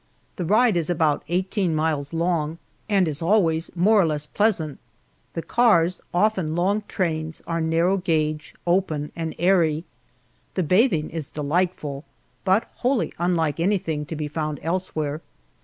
The ride is about eighteen miles long, and is always more or less pleasant. The cars, often long trains, are narrow gauge, open, and airy. The bathing is delightful, but wholly unlike anything to be found elsewhere.